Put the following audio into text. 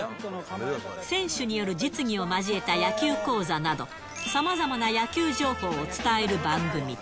選手による実技を交えた野球講座など、さまざまな野球情報を伝える番組。